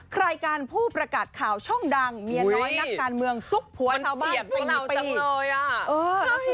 ใครกันผู้ประกาศข่าวช่องดังเมียน้อยนักการเมืองซุกผัวชาวบ้านตีไปอีก